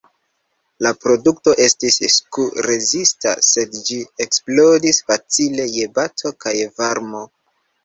La produkto estis sku-rezista, sed ĝi eksplodis facile je bato kaj varmo.